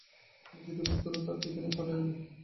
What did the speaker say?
আমার চিঠিপত্র তাঁর ঠিকানায় পাঠাইবে।